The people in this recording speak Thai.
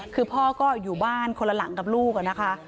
คือพ่อก็อยู่บ้านคนละหลังกับลูกนะคะ